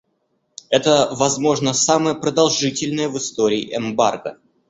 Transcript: Это, возможно, самое продолжительное в истории эмбарго.